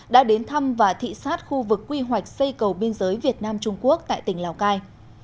đã đến thăm và thị sát khu vực quy hoạch xây cầu biên giới việt nam trung quốc tại tỉnh lào cai